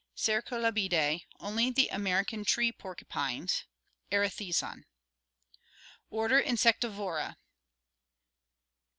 Cercolabidae: only the American tree porcupines (Erethizon). Order Insectivora.